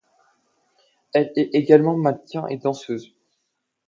Elle est également mannequin et danseuse.